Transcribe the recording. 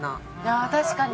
ああ確かに。